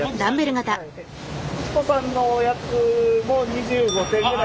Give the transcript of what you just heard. すち子さんのやつも２５点ぐらい。